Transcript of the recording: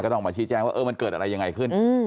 ต้องออกมาชี้แจ้งว่ามันเกิดอะไรยังไงขึ้น